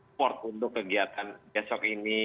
support untuk kegiatan besok ini